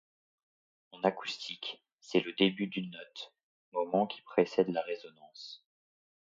En acoustique, c'est le début d'une note, moment qui précède la résonance.